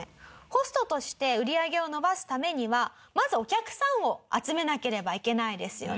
ホストとして売り上げを伸ばすためにはまずお客さんを集めなければいけないですよね。